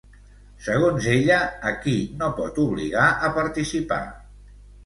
Segons ella, a qui no pot obligar a participar?